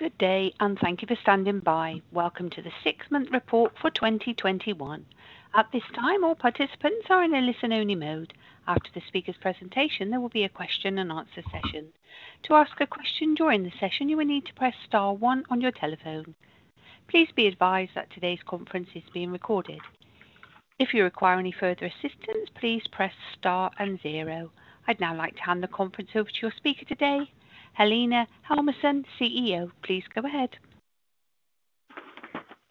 Good day, and thank you for standing by. Welcome to the six-month report for 2021. At this time, all participants are in a listen-only mode. After the speaker's presentation, there will be a question and answer session. To ask a question during the session, you will need to press star 1 on your telephone. Please be advised that today's conference is being recorded. If you require any further assistance, please press star and 0. I'd now like to hand the conference over to your speaker today, Helena Helmersson, CEO. Please go ahead.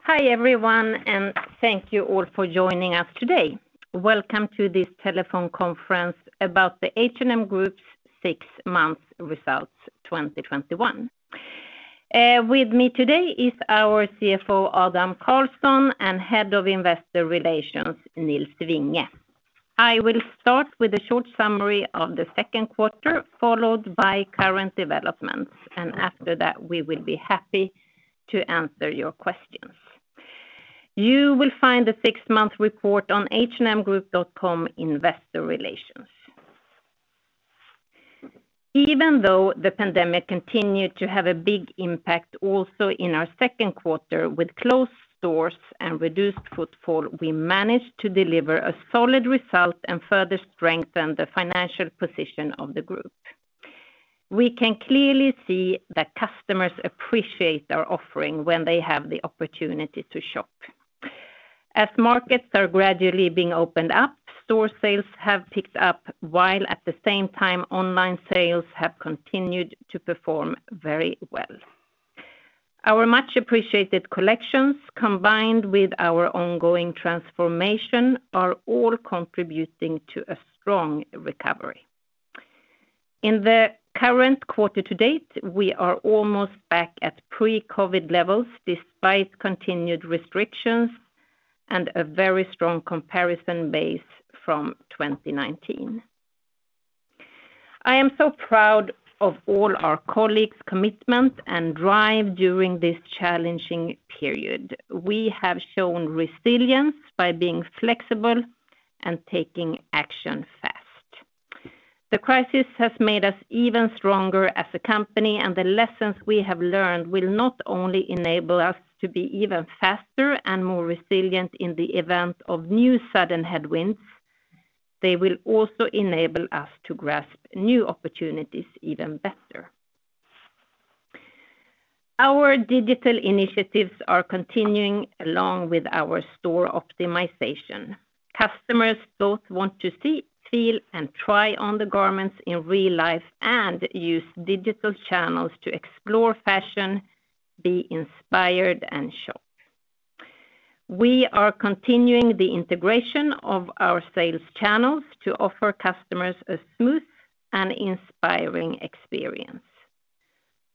Hi, everyone, and thank you all for joining us today. Welcome to this telephone conference about the H&M group's 6 months results 2021. With me today is our CFO Adam Karlsson and Head of Investor Relations Nils Vinge. I will start with a short summary of the 2nd quarter, followed by current developments, and after that, we will be happy to answer your questions. You will find the 6-month report on hmgroup.com/investor relations. Even though the pandemic continued to have a big impact also in our 2nd quarter with closed stores and reduced footfall, we managed to deliver a solid result and further strengthen the financial position of the group. We can clearly see that customers appreciate our offering when they have the opportunity to shop. As markets are gradually being opened up, store sales have picked up, while at the same time, online sales have continued to perform very well. Our much-appreciated collections, combined with our ongoing transformation, are all contributing to a strong recovery. In the current quarter to date, we are almost back at pre-COVID levels despite continued restrictions and a very strong comparison base from 2019. I am so proud of all our colleagues' commitment and drive during this challenging period. We have shown resilience by being flexible and taking action fast. The crisis has made us even stronger as a company, and the lessons we have learned will not only enable us to be even faster and more resilient in the event of new sudden headwinds, they will also enable us to grasp new opportunities even better. Our digital initiatives are continuing along with our store optimization. Customers both want to see, feel, and try on the garments in real life and use digital channels to explore fashion, be inspired, and shop. We are continuing the integration of our sales channels to offer customers a smooth and inspiring experience.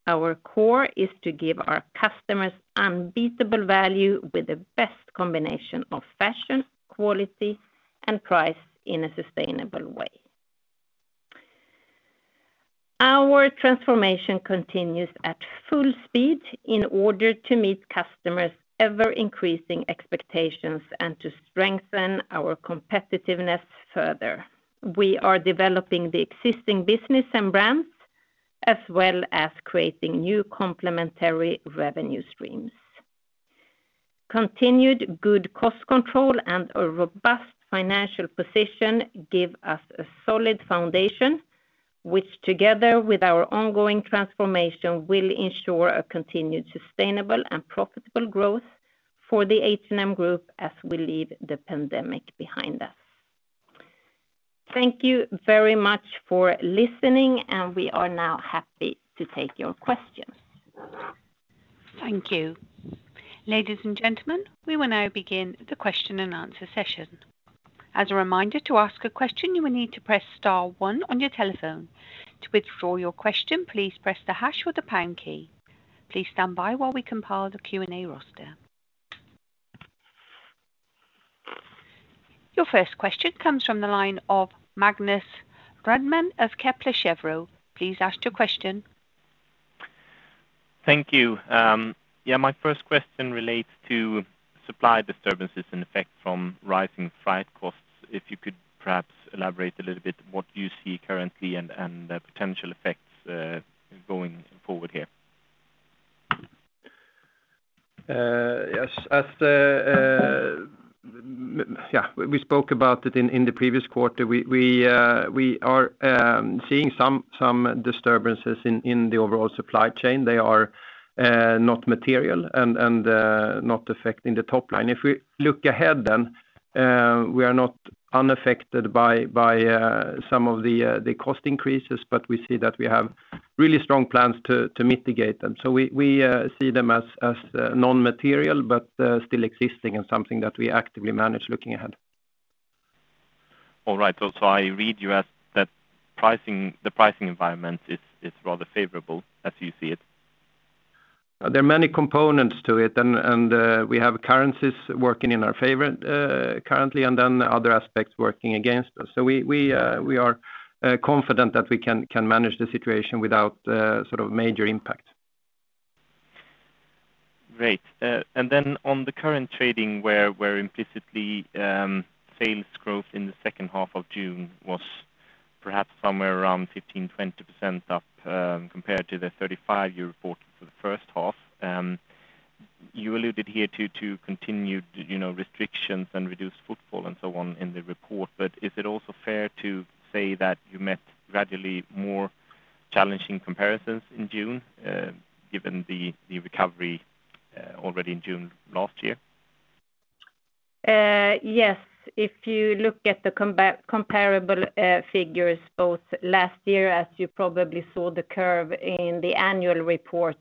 Our core is to give our customers unbeatable value with the best combination of fashion, quality, and price in a sustainable way. Our transformation continues at full speed in order to meet customers' ever-increasing expectations and to strengthen our competitiveness further. We are developing the existing business and brands as well as creating new complementary revenue streams. Continued good cost control and a robust financial position give us a solid foundation, which together with our ongoing transformation, will ensure a continued sustainable and profitable growth for the H&M group as we leave the pandemic behind us. Thank you very much for listening, and we are now happy to take your questions. Thank you. Ladies and gentlemen, we will now begin the question and answer session. As a reminder, to ask a question, you will need to press star one on your telephone. To withdraw your question, please press the hash or the pound key. Please stand by while we compile the Q&A roster. Your first question comes from the line of Magnus Råman of Kepler Cheuvreux. Please ask your question. Thank you. Yeah, my first question relates to supply disturbances and effect from rising freight costs. If you could perhaps elaborate a little bit what you see currently and the potential effects going forward here? Yes. We spoke about it in the previous quarter. We are seeing some disturbances in the overall supply chain. They are not material and not affecting the top line. If we look ahead then, we are not unaffected by some of the cost increases, but we see that we have really strong plans to mitigate them. We see them as non-material but still existing and something that we actively manage looking ahead. All right. I read you as that the pricing environment is rather favorable as you see it. There are many components to it, and we have currencies working in our favor currently and then other aspects working against us. We are confident that we can manage the situation without major impact. Great. On the current trading where implicitly sales growth in the second half of June was perhaps somewhere around 15%-20% up compared to the 35% you reported for the first half. You alluded here to continued restrictions and reduced footfall and so on in the report. Is it also fair to say that you met gradually more challenging comparisons in June given the recovery already in June last year? Yes. If you look at the comparable figures both last year, as you probably saw the curve in the annual report,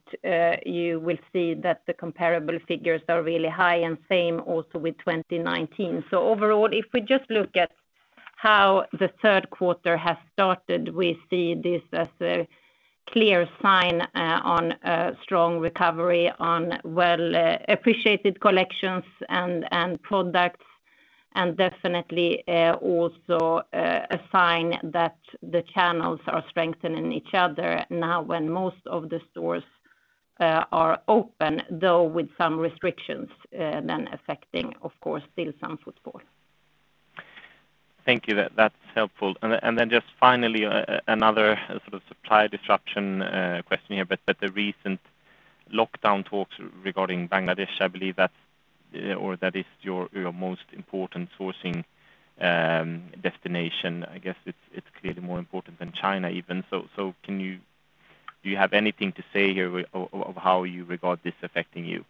you will see that the comparable figures are really high and same also with 2019. Overall, if we just look at how the third quarter has started, we see this as a clear sign on a strong recovery on well-appreciated collections and products, and definitely also a sign that the channels are strengthening each other now when most of the stores are open, though with some restrictions then affecting, of course, still some footfall. Thank you. That's helpful. Then just finally, another sort of supply disruption question here. The recent lockdown talks regarding Bangladesh, I believe that is your most important sourcing destination. I guess it's clearly more important than China even so. Do you have anything to say here of how you regard this affecting you?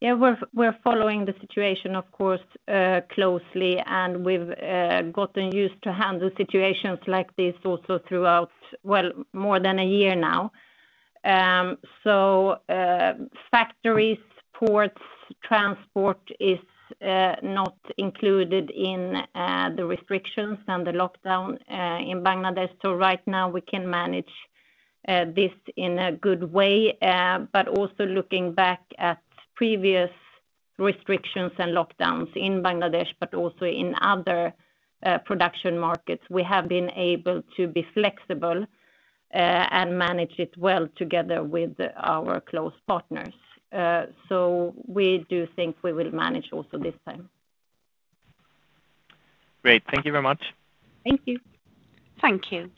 Yeah, we're following the situation, of course, closely, and we've gotten used to handle situations like this also throughout, well, more than 1 year now. Factories, ports, transport is not included in the restrictions and the lockdown in Bangladesh. Right now we can manage this in a good way. Also looking back at previous restrictions and lockdowns in Bangladesh, but also in other production markets, we have been able to be flexible and manage it well together with our close partners. We do think we will manage also this time. Great. Thank you very much. Thank you. Thank you.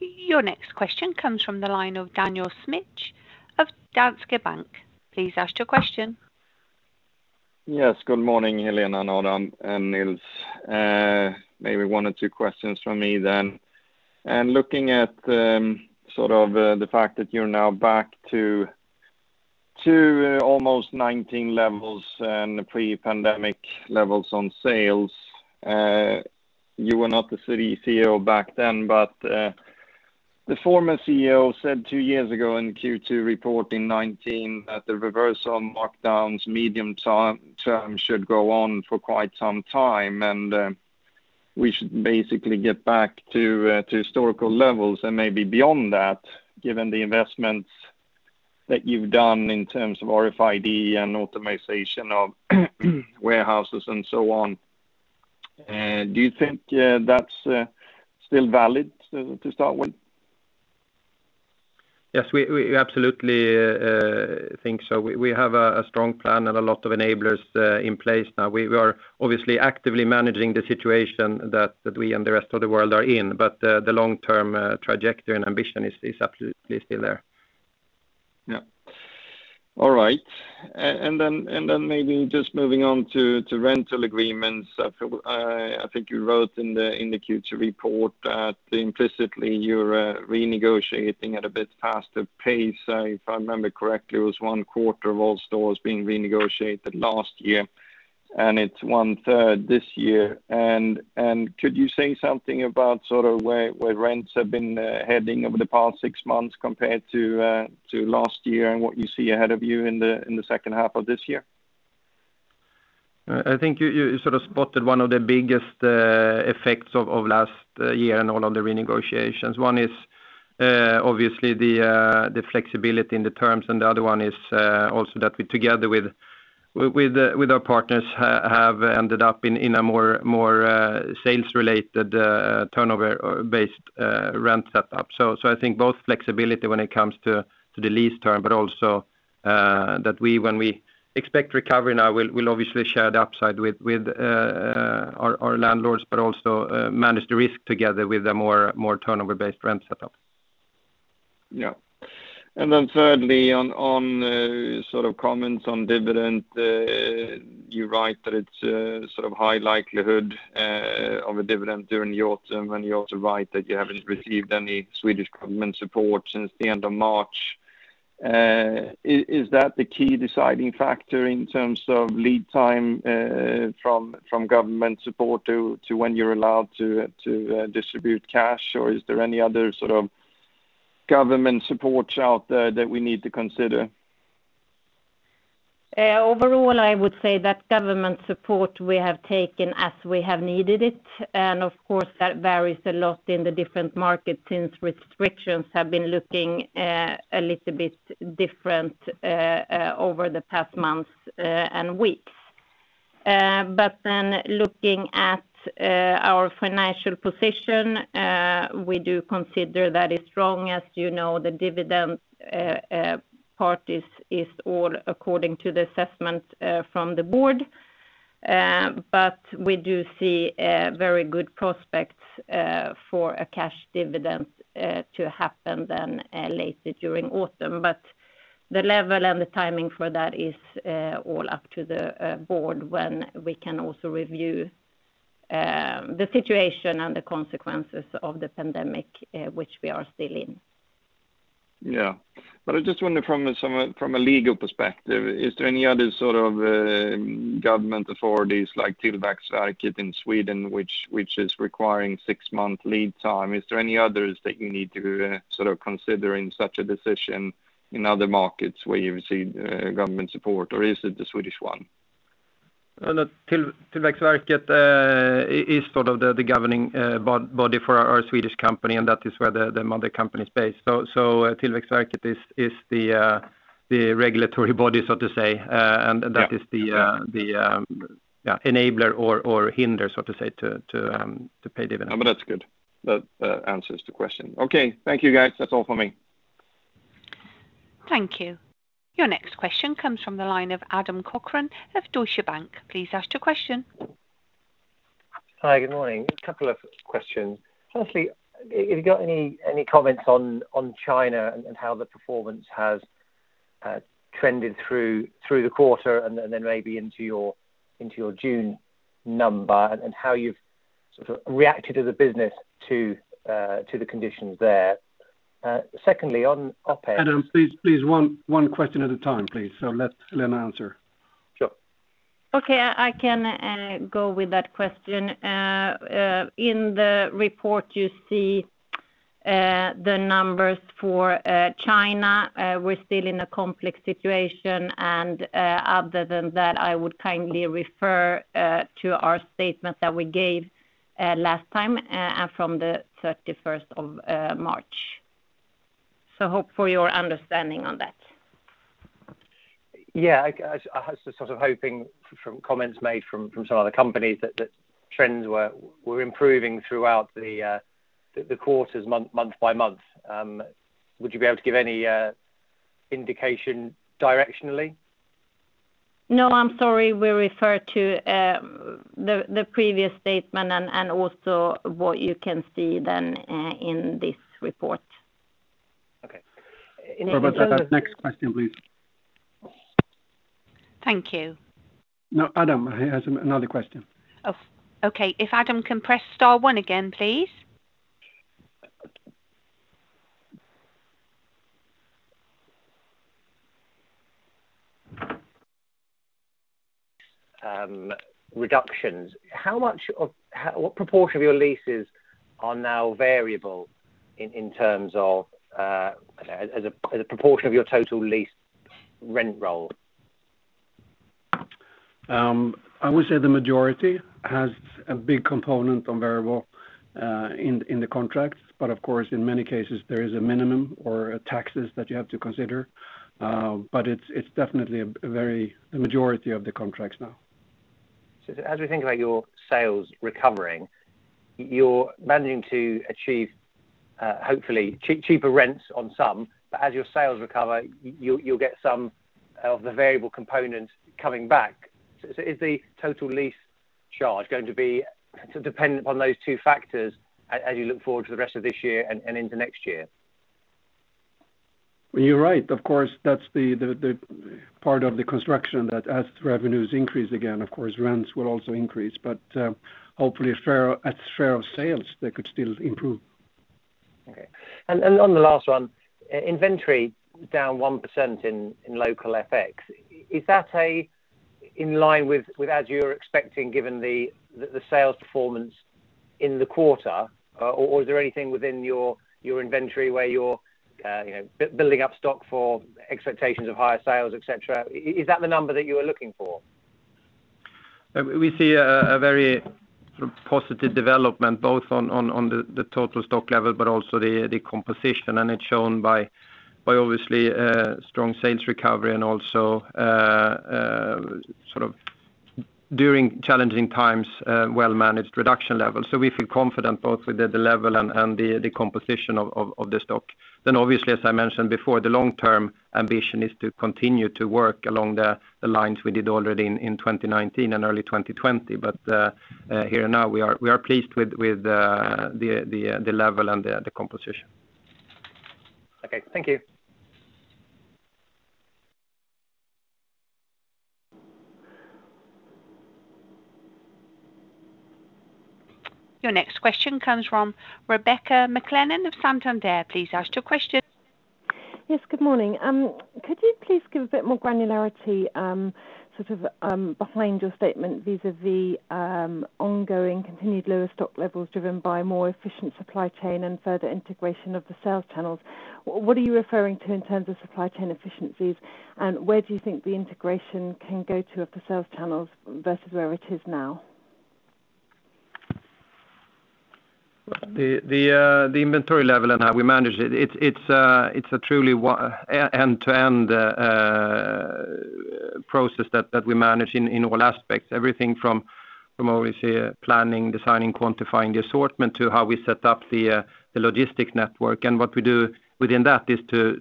Your next question comes from the line of Daniel Schmidt of Danske Bank. Please ask your question. Yes, good morning, Helena, Adam, and Nils. Maybe 1 or 2 questions from me then. Looking at the fact that you're now back to almost 2019 levels and pre-pandemic levels on sales. You were not the CEO back then, but the former CEO said 2 years ago in Q2 reporting 2019 that the reversal of markdowns medium term should go on for quite some time, and we should basically get back to historical levels and maybe beyond that, given the investments that you've done in terms of RFID and optimization of warehouses and so on. Do you think that's still valid to start with? Yes, we absolutely think so. We have a strong plan and a lot of enablers in place now. We are obviously actively managing the situation that we and the rest of the world are in, but the long-term trajectory and ambition is absolutely still there. Yeah. All right. Then maybe just moving on to rental agreements. I think you wrote in the Q2 report that implicitly you're renegotiating at a bit faster pace. If I remember correctly, it was one quarter of all stores being renegotiated last year, and it's one third this year. Could you say something about where rents have been heading over the past 6 months compared to last year and what you see ahead of you in the second half of this year? I think you sort of spotted one of the biggest effects of last year and all of the renegotiations. One is obviously the flexibility in the terms. The other one is also that we, together with our partners, have ended up in a more sales-related turnover-based rent setup. I think both flexibility when it comes to the lease term, but also that we, when we expect recovery now, we'll obviously share the upside with our landlords, but also manage the risk together with a more turnover-based rent setup. Yeah. Thirdly, on comments on dividend, you write that it's high likelihood of a dividend during the autumn. You also write that you haven't received any Swedish government support since the end of March. Is that the key deciding factor in terms of lead time from government support to when you're allowed to distribute cash? Is there any other sort of government supports out there that we need to consider? Overall, I would say that government support we have taken as we have needed it, and of course, that varies a lot in the different markets since restrictions have been looking a little bit different over the past months and weeks. Looking at our financial position, we do consider that as strong as you know the dividend part is all according to the assessment from the board. We do see very good prospects for a cash dividend to happen then later during autumn. The level and the timing for that is all up to the board when we can also review the situation and the consequences of the pandemic, which we are still in. Yeah. I just wonder from a legal perspective, is there any other sort of government authorities like Tillväxtverket in Sweden which is requiring 6-month lead time? Is there any others that you need to consider in such a decision in other markets where you've seen government support, or is it the Swedish one? Tillväxtverket is sort of the governing body for our Swedish company, and that is where the mother company is based. Tillväxtverket is the regulatory body, so to say, and that is the enabler or hinder, so to say, to pay dividends. No, but that's good. That answers the question. Okay. Thank you, guys. That's all for me. Thank you. Your next question comes from the line of Adam Cochrane of Deutsche Bank. Please ask your question. Hi, good morning. A couple of questions. Have you got any comments on China and how the performance has trended through the quarter and then maybe into your June number and how you've sort of reacted as a business to the conditions there? On OpEx. Adam, please one question at a time, please. Let Helena answer. Sure. Okay, I can go with that question. In the report, you see the numbers for China. We're still in a complex situation, and other than that, I would kindly refer to our statement that we gave last time from the 31st of March. Hope for your understanding on that. I was just sort of hoping from comments made from some other companies that trends were improving throughout the quarters month by month. Would you be able to give any indication directionally? No, I'm sorry. We refer to the previous statement and also what you can see then in this report. Okay. Robert, next question, please. Thank you. No, Adam has another question. Oh, okay. If Adam can press star one again, please. Reductions. What proportion of your leases are now variable as a proportion of your total lease rent roll? I would say the majority has a big component on variable in the contracts. Of course, in many cases, there is a minimum or taxes that you have to consider. It's definitely a majority of the contracts now. As we think about your sales recovering, you're managing to achieve hopefully cheaper rents on some, but as your sales recover, you'll get some of the variable component coming back. Is the total lease charge going to be dependent upon those two factors as you look forward to the rest of this year and into next year? You're right. Of course, that's the part of the construction that as revenues increase again, of course, rents will also increase. Hopefully at share of sales, they could still improve. Okay. On the last one, inventory down 1% in local FX. Is that in line with as you were expecting given the sales performance in the quarter? Is there anything within your inventory where you're building up stock for expectations of higher sales, et cetera? Is that the number that you were looking for? We see a very positive development both on the total stock level, but also the composition, and it's shown by obviously a strong sales recovery and also sort of during challenging times, well-managed reduction levels. We feel confident both with the level and the composition of the stock. Obviously, as I mentioned before, the long-term ambition is to continue to work along the lines we did already in 2019 and early 2020. Here now we are pleased with the level and the composition. Okay. Thank you. Your next question comes from Rebecca McClellan of Santander. Please ask your question. Yes, good morning. Could you please give a bit more granularity sort of behind your statement vis-a-vis ongoing continued lower stock levels driven by more efficient supply chain and further integration of the sales channels? What are you referring to in terms of supply chain efficiencies, and where do you think the integration can go to of the sales channels versus where it is now? The inventory level and how we manage it's a truly end-to-end process that we manage in all aspects. Everything from, obviously, planning, designing, quantifying the assortment to how we set up the logistics network. What we do within that is to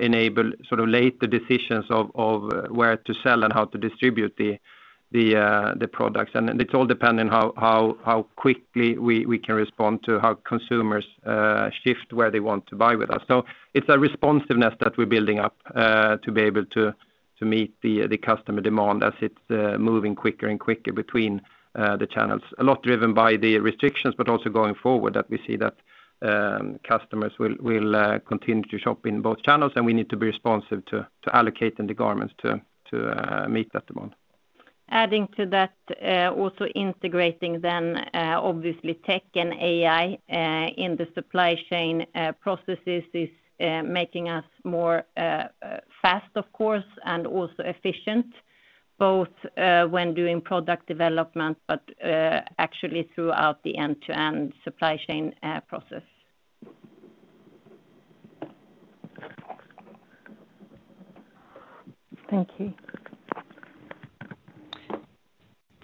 enable later decisions of where to sell and how to distribute the products. It all depends on how quickly we can respond to how consumers shift where they want to buy with us. It's a responsiveness that we're building up to be able to meet the customer demand as it's moving quicker and quicker between the channels. A lot driven by the restrictions, but also going forward, that we see that customers will continue to shop in both channels, and we need to be responsive to allocating the garments to meet that demand. Adding to that, also integrating then, obviously tech and AI in the supply chain processes is making us more fast, of course, and also efficient, both when doing product development but actually throughout the end-to-end supply chain process. Thank you.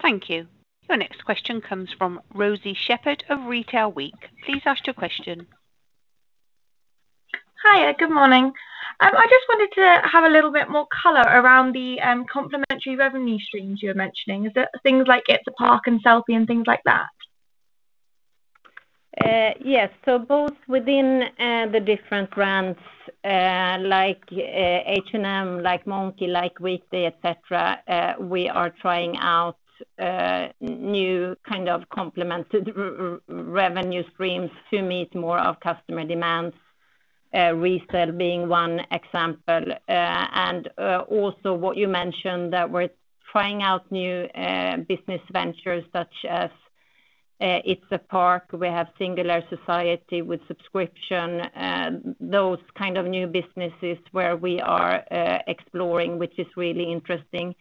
Thank you. Your next question comes from Rosie Shepard of Retail Week. Please ask your question. Hi, good morning. I just wanted to have a little bit more color around the complementary revenue streams you were mentioning. Is it things like Afound and Sellpy and things like that? Yes. Both within the different brands, like H&M, like Monki, like Weekday, et cetera, we are trying out new kind of complemented revenue streams to meet more of customer demands, resell being one example. Also what you mentioned, that we're trying out new business ventures such as It's a Park. We have Singular Society with subscription. Those kind of new businesses where we are exploring, which is really interesting.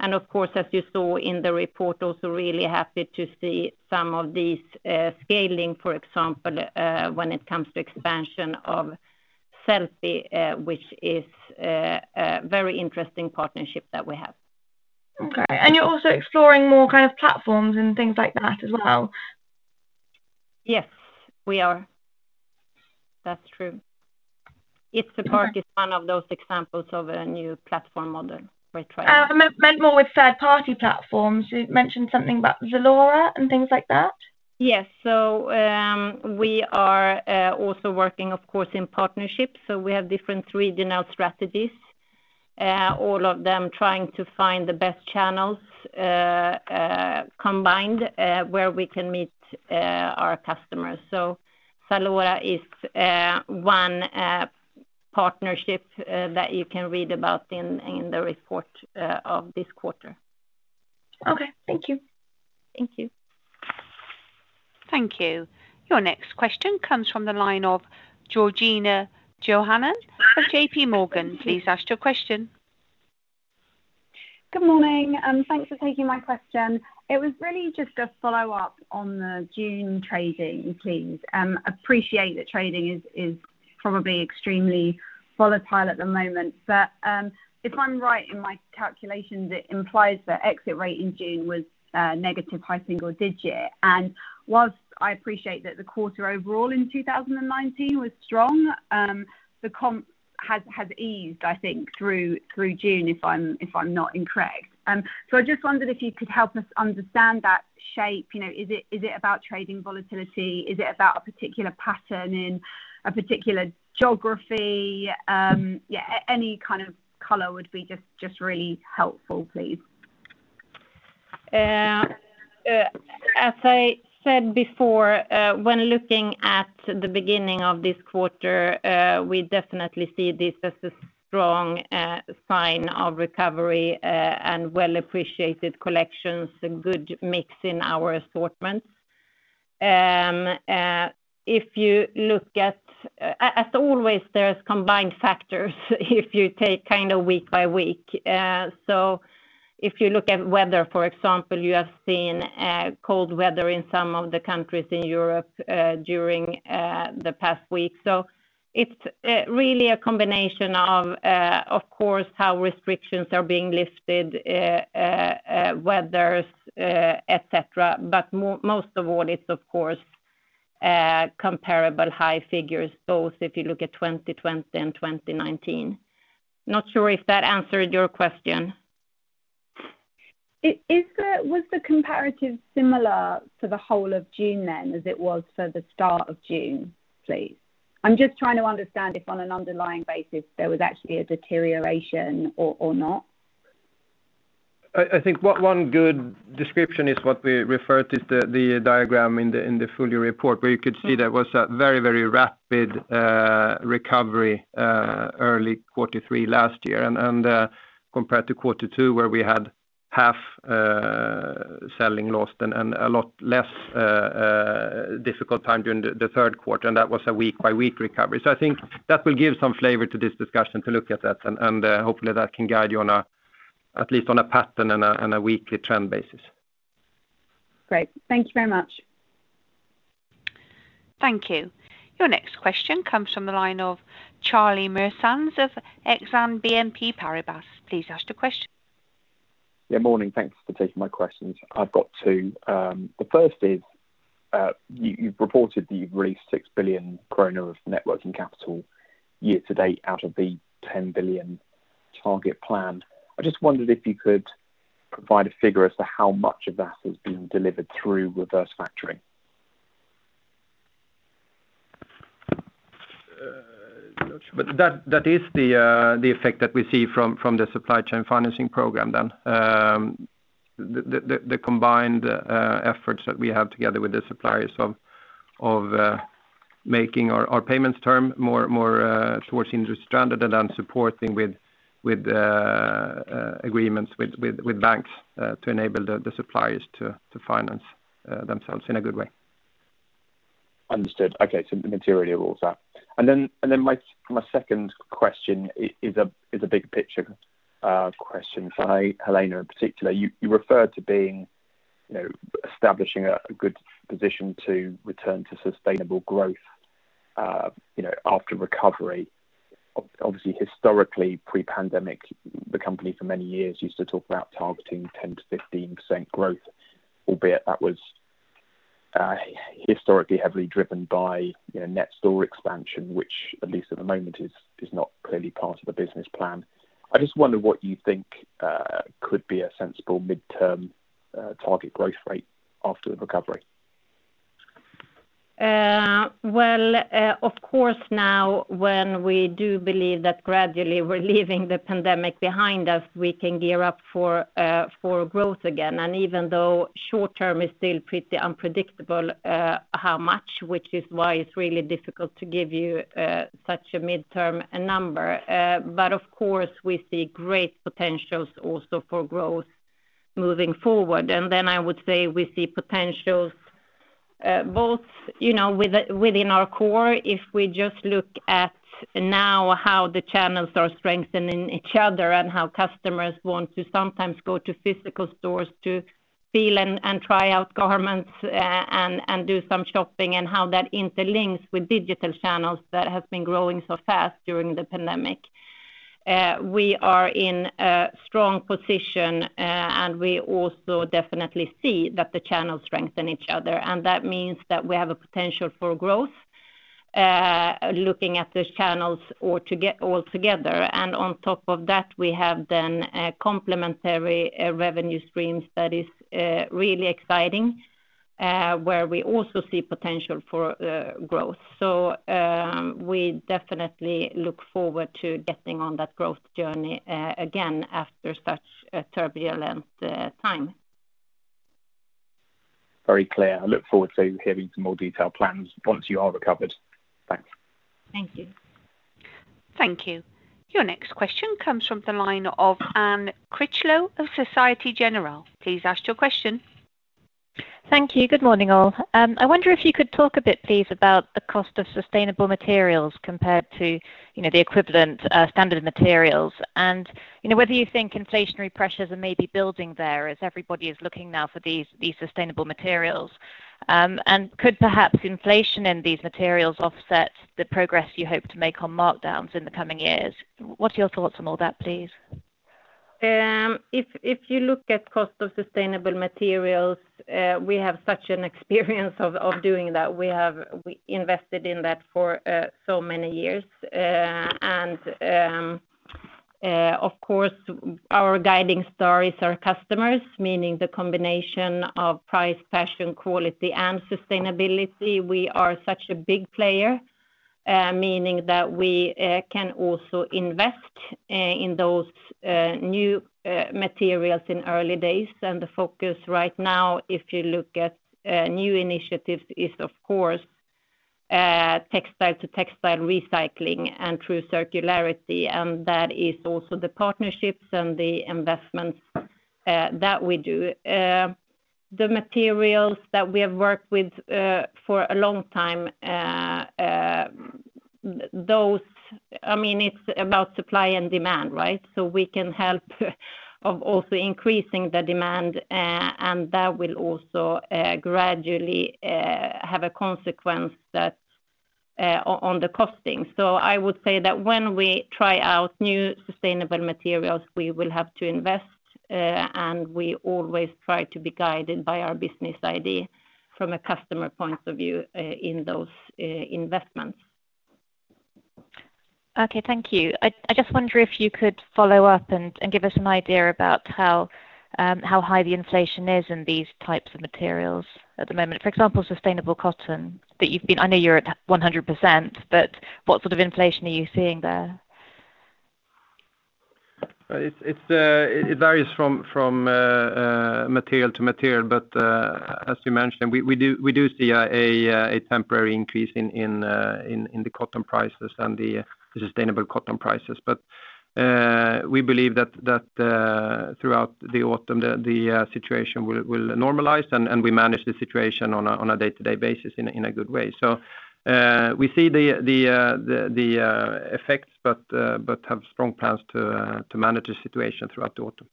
Of course, as you saw in the report, also really happy to see some of these scaling, for example, when it comes to expansion of Sellpy, which is a very interesting partnership that we have. Okay, you're also exploring more kind of platforms and things like that as well? Yes, we are. That's true. It's a part of those examples of a new platform model we're trying. I meant more with third-party platforms. You mentioned something about ZALORA and things like that. Yes. We are also working, of course, in partnership. We have different regional strategies, all of them trying to find the best channels combined where we can meet our customers. Zalora is one partnership that you can read about in the report of this quarter. Okay. Thank you. Thank you. Thank you. Your next question comes from the line of Georgina Johanan of JP Morgan. Please ask your question. Good morning, and thanks for taking my question. It was really just a follow-up on the June trading, please. Appreciate that trading is probably extremely volatile at the moment, but if I'm right in my calculations, it implies that exit rate in June was negative high single-digit. Whilst I appreciate that the quarter overall in 2019 was strong, the comp has eased, I think, through June, if I'm not incorrect. I just wondered if you could help us understand that shape. Is it about trading volatility? Is it about a particular pattern in a particular geography? Any kind of color would be just really helpful, please. As I said before, when looking at the beginning of this quarter, we definitely see this as a strong sign of recovery and well-appreciated collections, a good mix in our assortments. As always, there's combined factors if you take kind of week by week. If you look at weather, for example, you have seen cold weather in some of the countries in Europe during the past week. It's really a combination of course, how restrictions are being lifted, weathers, et cetera. Most of all, it's of course, comparable high figures, both if you look at 2020 and 2019. Not sure if that answered your question. Was the comparative similar for the whole of June then as it was for the start of June, please? I'm just trying to understand if on an underlying basis, there was actually a deterioration or not. I think one good description is what we refer to the diagram in the full year report, where you could see there was a very rapid recovery early quarter three last year. Compared to quarter two, where we had half selling lost and a lot less difficult time during the third quarter, and that was a week-by-week recovery. I think that will give some flavor to this discussion to look at that, and hopefully that can guide you at least on a pattern and a weekly trend basis. Great. Thank you very much. Thank you. Your next question comes from the line of Charlie Muir-Sands of Exane BNP Paribas. Please ask the question. Yeah, morning. Thanks for taking my questions. I've got two. The first is, you've reported that you've released 6 billion kronor of net working capital year to date out of the 10 billion target plan. I just wondered if you could provide a figure as to how much of that has been delivered through reverse factoring. That is the effect that we see from the supply chain financing program then. The combined efforts that we have together with the suppliers of making our payment terms more towards industry standard and then supporting with agreements with banks to enable the suppliers to finance themselves in a good way. Understood. Okay, materially, it rules out. Then my second question is a bigger picture question for Helena in particular. You referred to establishing a good position to return to sustainable growth after recovery. Obviously, historically, pre-pandemic, the company for many years used to talk about targeting 10%-15% growth, albeit that was historically heavily driven by net store expansion, which at least at the moment is not clearly part of the business plan. I just wonder what you think could be a sensible midterm target growth rate after the recovery. Well, of course now, when we do believe that gradually we're leaving the pandemic behind us, we can gear up for growth again. Even though short-term is still pretty unpredictable how much, which is why it's really difficult to give you such a midterm number. Of course, we see great potentials also for growth moving forward. I would say we see potentials both within our core, if we just look at now how the channels are strengthening each other and how customers want to sometimes go to physical stores to feel and try out garments and do some shopping, and how that interlinks with digital channels that have been growing so fast during the pandemic. We are in a strong position, and we also definitely see that the channels strengthen each other, and that means that we have a potential for growth, looking at those channels all together. On top of that, we have then a complementary revenue stream that is really exciting, where we also see potential for growth. We definitely look forward to getting on that growth journey again after such a turbulent time. Very clear. I look forward to hearing some more detailed plans once you are recovered. Thanks. Thank you. Thank you. Your next question comes from the line of Anne Critchlow of Société Générale. Please ask your question. Thank you. Good morning, all. I wonder if you could talk a bit, please, about the cost of sustainable materials compared to the equivalent standard materials and whether you think inflationary pressures are maybe building there as everybody is looking now for these sustainable materials. Could perhaps inflation in these materials offset the progress you hope to make on markdowns in the coming years? What are your thoughts on all that, please? If you look at cost of sustainable materials, we have such an experience of doing that. We have invested in that for so many years. Of course, our guiding star is our customers, meaning the combination of price, passion, quality, and sustainability. We are such a big player, meaning that we can also invest in those new materials in early days. The focus right now, if you look at new initiatives, is of course, textile to textile recycling and true circularity, and that is also the partnerships and the investments that we do. The materials that we have worked with for a long time, it's about supply and demand, right? We can help of also increasing the demand, and that will also gradually have a consequence on the costing. I would say that when we try out new sustainable materials, we will have to invest, and we always try to be guided by our business idea from a customer point of view in those investments. Okay, thank you. I just wonder if you could follow up and give us an idea about how high the inflation is in these types of materials at the moment? For example, sustainable cotton, I know you're at 100%, but what sort of inflation are you seeing there? It varies from material to material. As we mentioned, we do see a temporary increase in the cotton prices and the sustainable cotton prices. We believe that throughout the autumn, the situation will normalize, and we manage the situation on a day-to-day basis in a good way. We see the effects but have strong plans to manage the situation throughout the autumn.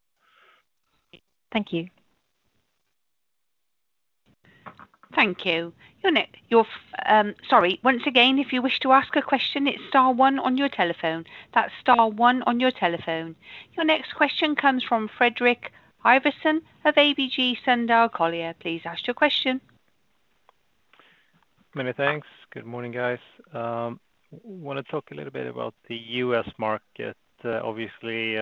Thank you. Thank you. Your next question comes from Fredrik Ivarsson of ABG Sundal Collier. Please ask your question. Many thanks. Good morning, guys. Want to talk a little bit about the U.S. market. Obviously,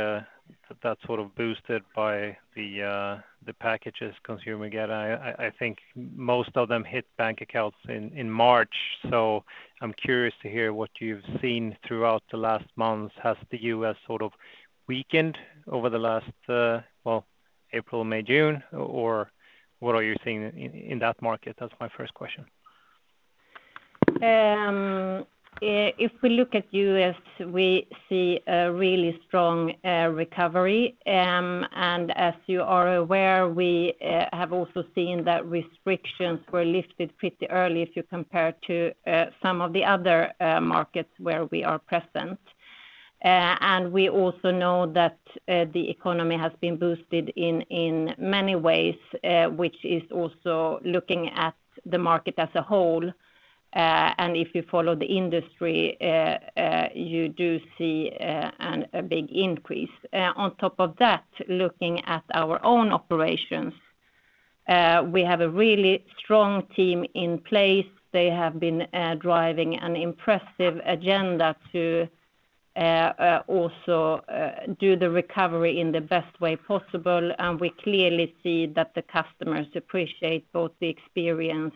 that's boosted by the packages consumer get. I think most of them hit bank accounts in March. I'm curious to hear what you've seen throughout the last month. Has the U.S. weakened over the last, well, April, May, June, or what are you seeing in that market? That's my first question. If we look at U.S., we see a really strong recovery. As you are aware, we have also seen that restrictions were lifted pretty early if you compare to some of the other markets where we are present. We also know that the economy has been boosted in many ways, which is also looking at the market as a whole. If you follow the industry, you do see a big increase. On top of that, looking at our own operations, we have a really strong team in place. They have been driving an impressive agenda to also do the recovery in the best way possible. We clearly see that the customers appreciate both the experience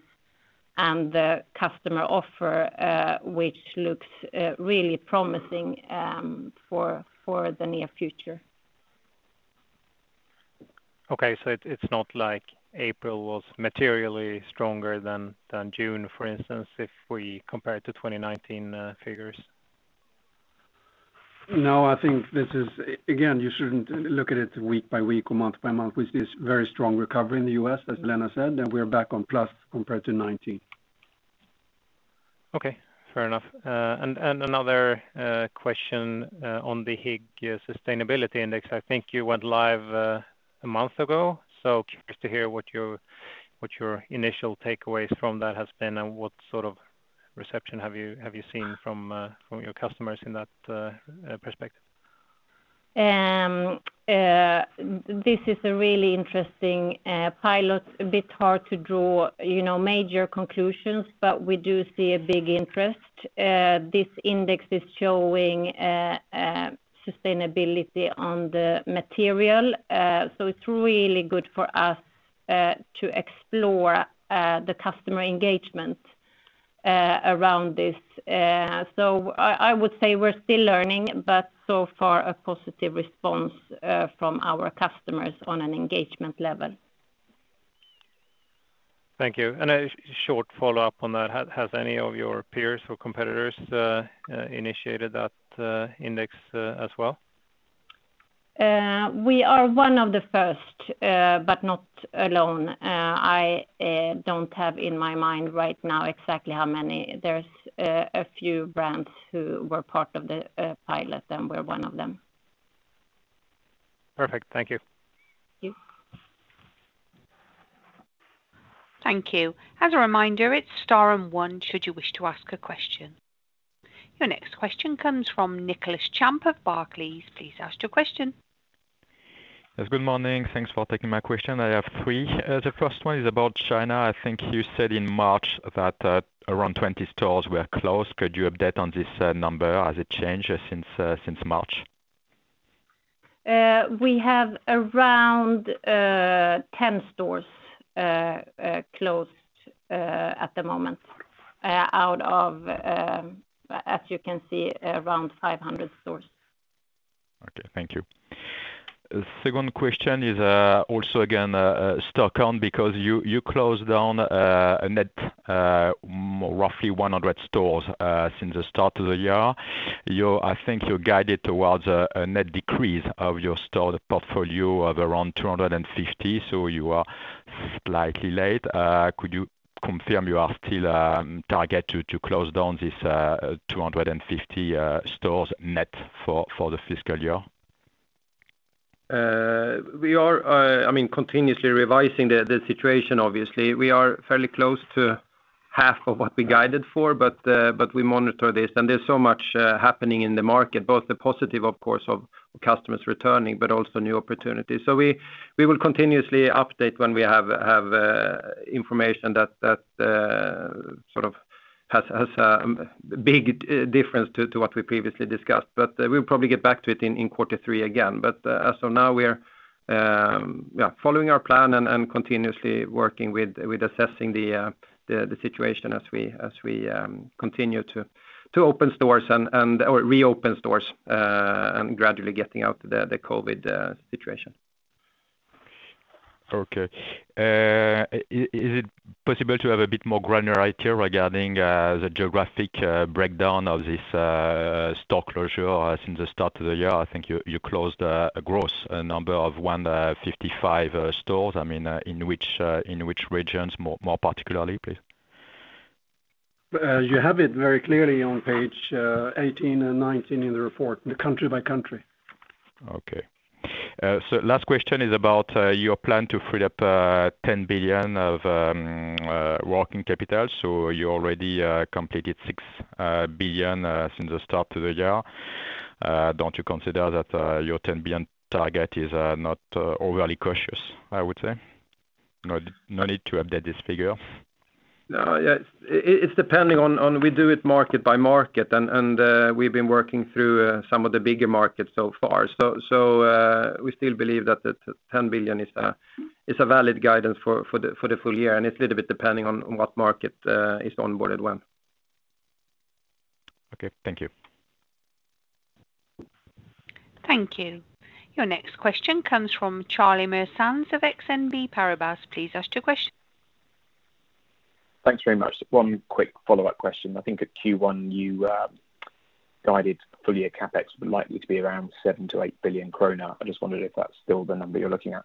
and the customer offer, which looks really promising for the near future. It's not like April was materially stronger than June, for instance, if we compare it to 2019 figures? I think this is, again, you shouldn't look at it week by week or month by month. We see a very strong recovery in the U.S., as Helena said, and we're back on plus compared to 2019. Okay, fair enough. Another question on the Higg Sustainability Index. I think you went live a month ago, so curious to hear what your initial takeaways from that has been and what sort of reception have you seen from your customers in that perspective? This is a really interesting pilot. A bit hard to draw major conclusions, but we do see a big interest. This index is showing sustainability on the material. It's really good for us to explore the customer engagement around this. I would say we're still learning, but so far a positive response from our customers on an engagement level. Thank you. A short follow-up on that. Has any of your peers or competitors initiated that index as well? We are one of the first, but not alone. I don't have in my mind right now exactly how many. There's a few brands who were part of the pilot, and we're one of them. Perfect. Thank you. Thank you. Thank you. As a reminder, it's star and one should you wish to ask a question. Your next question comes from Nicolas Champ of Barclays. Please ask your question. Good morning. Thanks for taking my question. I have 3. The first one is about China. I think you said in March that around 20 stores were closed. Could you update on this number? Has it changed since March? We have around 10 stores closed at the moment out of, as you can see, around 500 stores. Okay. Thank you. Second question is also again, Stockholm, because you closed down a net roughly 100 stores since the start of the year. I think you guided towards a net decrease of your store, the portfolio of around 250. You are slightly late. Could you confirm you are still on target to close down this 250 stores net for the fiscal year? We are continuously revising the situation, obviously. We are fairly close to half of what we guided for, but we monitor this and there's so much happening in the market, both the positive, of course, of customers returning, but also new opportunities. We will continuously update when we have information that has a big difference to what we previously discussed. We'll probably get back to it in quarter 3 again. As of now, we're following our plan and continuously working with assessing the situation as we continue to open stores and/or reopen stores and gradually getting out of the COVID situation. Okay. Is it possible to have a bit more granularity regarding the geographic breakdown of this store closure since the start of the year? I think you closed a gross number of 155 stores. In which regions more particularly, please? You have it very clearly on page 18 and 19 in the report, country by country. Okay. Last question is about your plan to free up 10 billion of working capital. You already completed 6 billion since the start of the year. Don't you consider that your 10 billion target is not overly cautious, I would say? No need to update this figure? No. It's depending on, we do it market by market, and we've been working through some of the bigger markets so far. We still believe that the 10 billion is a valid guidance for the full year. It's a little bit depending on what market is onboarded when. Okay, thank you. Thank you. Your next question comes from Charlie Muir-Sands of Exane BNP Paribas. Please ask your question. Thanks very much. One quick follow-up question. I think at Q1 you guided full-year CapEx likely to be around 7 billion-8 billion kronor. I just wondered if that's still the number you're looking at.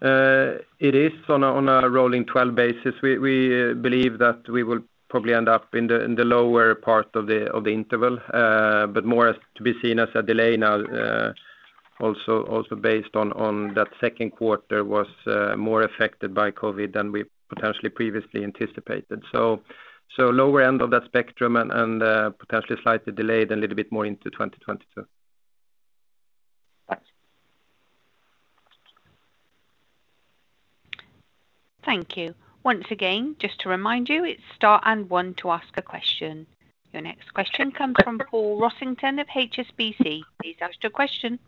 It is on a rolling 12 basis. We believe that we will probably end up in the lower part of the interval. More to be seen as a delay now also based on that second quarter was more affected by COVID than we potentially previously anticipated. Lower end of that spectrum and potentially slightly delayed a little bit more into 2022. Thanks. Thank you. Once again, just to remind you, it's star and 1 to ask a question. Your next question comes from Paul Rossington of HSBC. Please ask your question.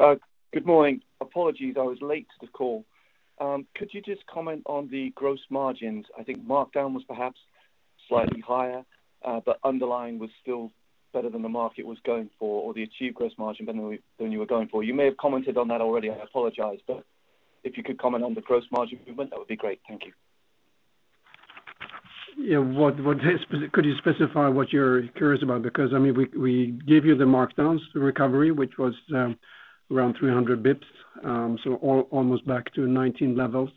Good morning. Apologies, I was late to the call. Could you just comment on the gross margins? I think markdown was perhaps slightly higher, but underlying was still better than the market was going for, or the achieved gross margin better than you were going for. You may have commented on that already, I apologize, but if you could comment on the gross margin movement, that would be great. Thank you. Could you specify what you're curious about? We gave you the markdowns, the recovery, which was around 300 basis points. Almost back to 2019 levels.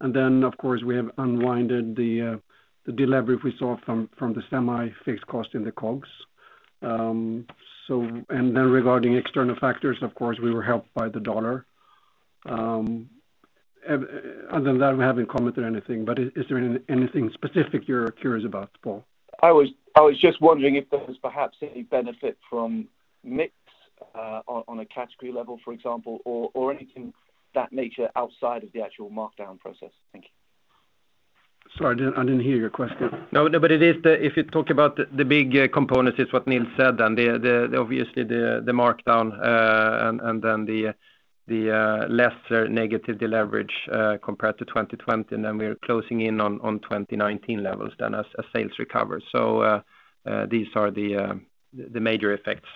Of course, we have unwinded the deleverage we saw from the semi-fixed cost in the COGS. Regarding external factors, of course, we were helped by the USD. Other than that, we haven't commented anything. Is there anything specific you're curious about, Paul? I was just wondering if there was perhaps any benefit from mix on a category level, for example, or anything of that nature outside of the actual markdown process. Thank you. Sorry, I didn't hear your question. If you talk about the big components, it's what Nils said, and obviously the markdown, and then the lesser negative deleverage, compared to 2020. We're closing in on 2019 levels then as sales recover. These are the major effects.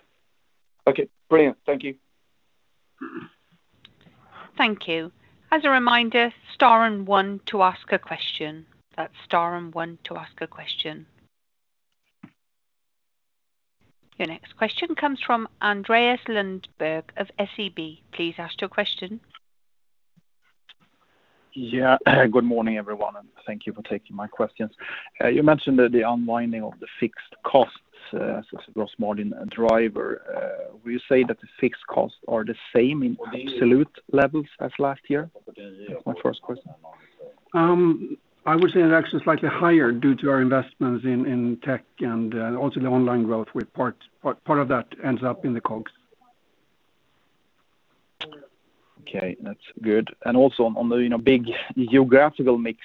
Okay, brilliant. Thank you. Thank you. Your next question comes from Andreas Lundberg of SEB. Please ask your question. Good morning, everyone, and thank you for taking my questions. You mentioned that the unwinding of the fixed costs as a gross margin driver. Will you say that the fixed costs are the same in absolute levels as last year? That's my first question. I would say they're actually slightly higher due to our investments in tech and also the online growth, part of that ends up in the COGS. Okay. That's good. Also on the big geographical mix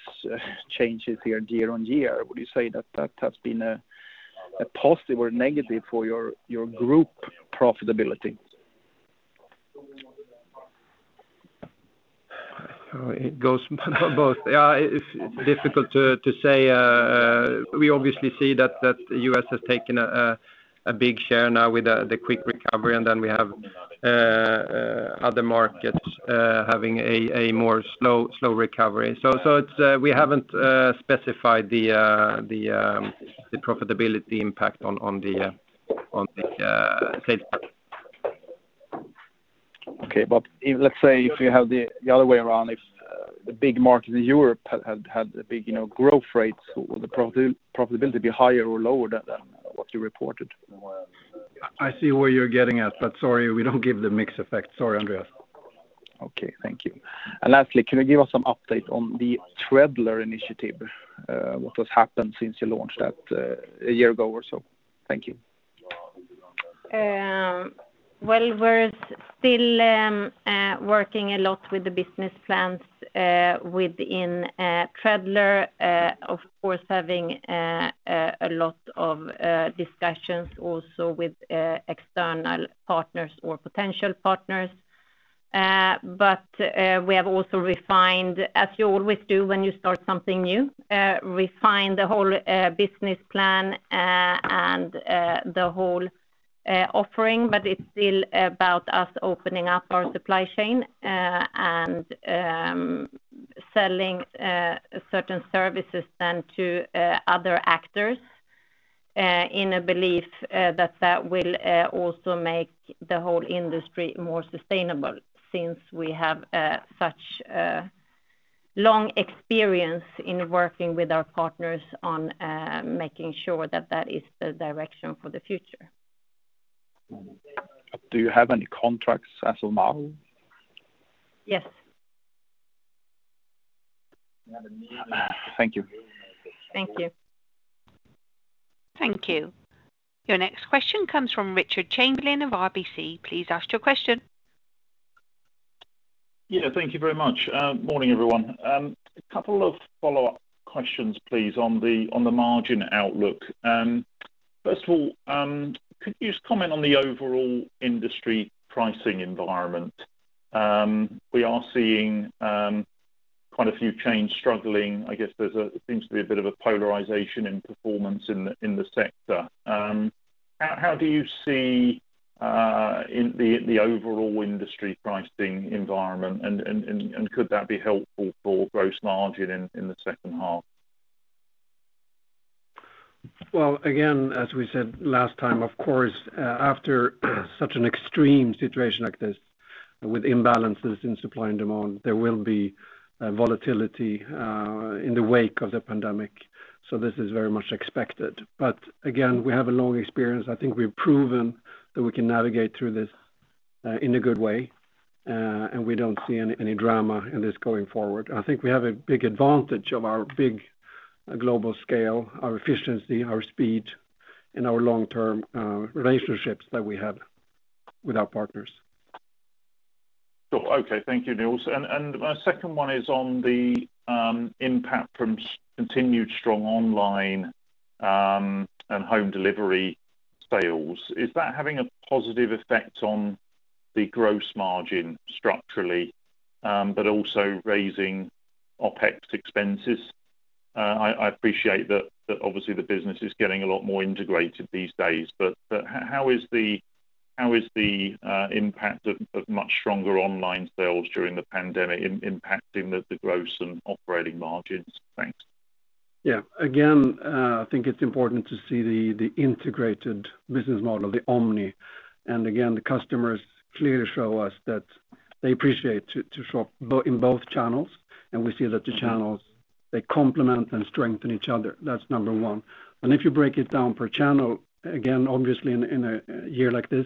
changes here year-on-year, would you say that has been a positive or negative for your Group profitability? It goes both. It's difficult to say. We obviously see that U.S. has taken a big share now with the quick recovery. We have other markets having a more slow recovery. We haven't specified the profitability impact on the sales part. Okay. Let's say if you have the other way around, if the big market in Europe had the big growth rates, would the profitability be higher or lower than what you reported? I see where you're getting at, but sorry, we don't give the mix effect. Sorry, Andreas. Okay. Thank you. Lastly, can you give us some update on the Treadler initiative? What has happened since you launched that a year ago or so? Thank you. Well, we're still working a lot with the business plans within Treadler. Of course, having a lot of discussions also with external partners or potential partners. We have also refined, as you always do when you start something new, refined the whole business plan and the whole offering. It's still about us opening up our supply chain, and selling certain services then to other actors in a belief that that will also make the whole industry more sustainable since we have such a long experience in working with our partners on making sure that that is the direction for the future. Do you have any contracts as of now? Yes. Thank you. Thank you. Thank you. Your next question comes from Richard Chamberlain of RBC. Please ask your question. Thank you very much. Morning, everyone. A couple of follow-up questions, please, on the margin outlook. First of all, could you just comment on the overall industry pricing environment? We are seeing quite a few chains struggling. I guess there seems to be a bit of a polarization in performance in the sector. How do you see the overall industry pricing environment and could that be helpful for gross margin in the second half? Well, again, as we said last time, of course, after such an extreme situation like this with imbalances in supply and demand, there will be volatility in the wake of the pandemic. This is very much expected. Again, we have a long experience. I think we've proven that we can navigate through this in a good way, and we don't see any drama in this going forward. I think we have a big advantage of our big global scale, our efficiency, our speed, and our long-term relationships that we have with our partners. Okay. Thank you, Nils. My second one is on the impact from continued strong online and home delivery sales. Is that having a positive effect on the gross margin structurally but also raising OpEx expenses? I appreciate that obviously the business is getting a lot more integrated these days, but how is the impact of much stronger online sales during the pandemic impacting the gross and operating margins? Thanks. Yeah. Again, I think it's important to see the integrated business model, the omni. The customers clearly show us that they appreciate to shop in both channels, and we see that the channels, they complement and strengthen each other. That's number one. If you break it down per channel, again, obviously in a year like this,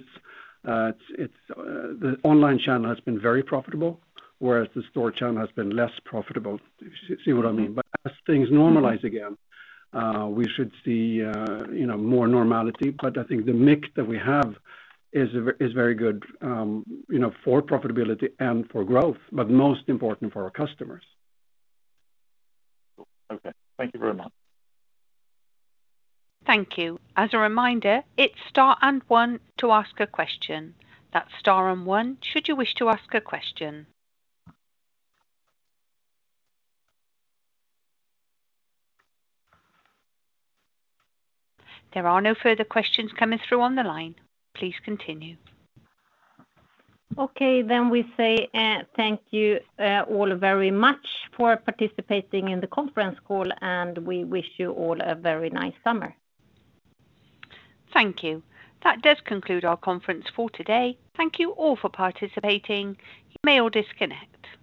the online channel has been very profitable, whereas the store channel has been less profitable. If you see what I mean. As things normalize again, we should see more normality. I think the mix that we have is very good for profitability and for growth, but most important for our customers. Okay. Thank you very much. Thank you. As a reminder, it's star and one to ask a question. That's star and one should you wish to ask a question. There are no further questions coming through on the line. Please continue. We say thank you all very much for participating in the conference call, and we wish you all a very nice summer. Thank you. That does conclude our conference call today. Thank you all for participating. You may all disconnect.